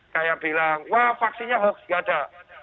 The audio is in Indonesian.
kayak bilang wah vaksinnya hoax tidak ada